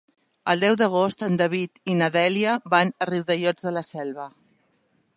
El deu d'agost en David i na Dèlia van a Riudellots de la Selva.